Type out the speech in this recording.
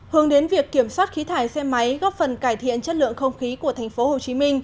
hướng đến việc kiểm soát khí thải xe máy góp phần cải thiện chất lượng không khí của tp hcm